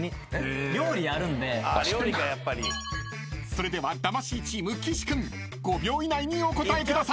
［それでは魂チーム岸君５秒以内にお答えください］